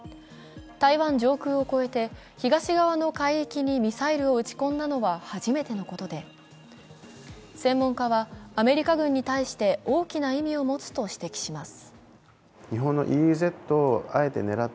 台湾上空を越えて東側の海域にミサイルを撃ち込んだのは初めてのことで専門家は、アメリカ軍に対して大きな意味を持つと指摘します。